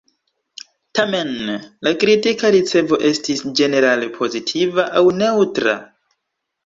Tamen, la kritika ricevo estis ĝenerale pozitiva aŭ neŭtra.